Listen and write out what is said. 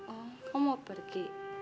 oh kamu mau pergi